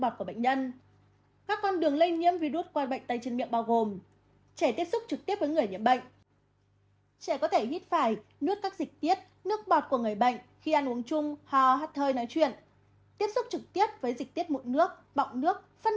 tiếp xúc trực tiếp với dịch tiết mụn nước bọng nước phân của người bệnh